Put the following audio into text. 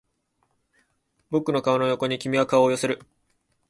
僕の顔の横に君は顔を寄せる